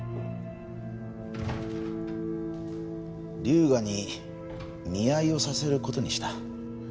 龍河に見合いをさせる事にした。